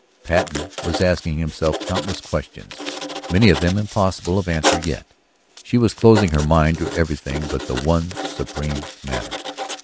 Patten was asking himself countless questions, many of them impossible of answer yet. She was closing her mind to everything but the one supreme matter.